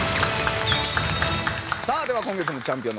さあでは今月のチャンピオンの発表